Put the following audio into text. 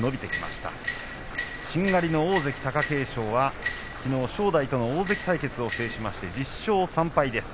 しんがりの大関貴景勝はきのう正代と大関対決を制しました１０勝３敗です。